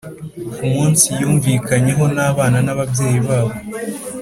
ku munsi yumvikanyeho n’abana n’ababyeyi babo,